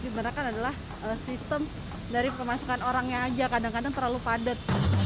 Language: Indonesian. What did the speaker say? diberikan adalah sistem dari pemasukan orangnya aja kadang kadang terlalu padat